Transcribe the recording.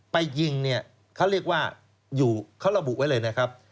ไปยิงเนี่ยเขาเรียกว่าอยู่เขาระบุไว้เลยนะครับ